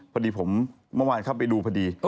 พอดีผมเมื่อวานเข้าไปดูพอดี